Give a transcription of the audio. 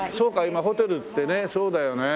今ホテルってねそうだよね。